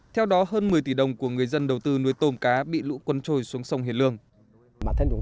theo đó hơn một mươi tỷ đồng của người dân đầu tư nuôi tôm cá bị lũ quân trôi xuống sông hiền lương